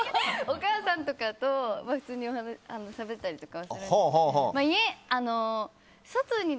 お母さんとかと、普通にしゃべったりとかするんですけど。